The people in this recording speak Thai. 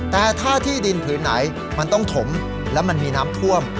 แต่ถ้าที่ดินผืนไหนมันต้องถมและมันมีน้ำท่วม